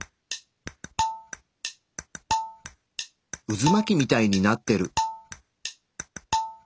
うず巻きみたいになってる！